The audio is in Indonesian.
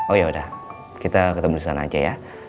oh yaudah kita ketemu disana aja ya